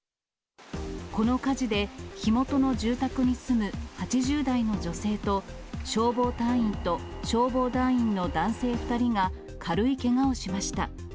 この火事で、火元の住宅に住む８０代の女性と、消防隊員と消防団員の男性２人が軽いけがをしました。